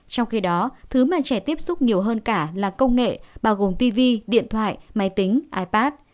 trong khi đó thứ mà trẻ tiếp xúc nhiều hơn cả là công nghệ bao gồm tv điện thoại máy tính ipad